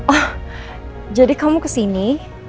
oh jadi kamu kesini